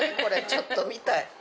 ちょっと見たい。